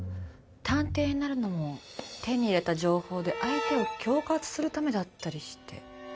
探偵になるのも手に入れた情報で相手を恐喝するためだったりして。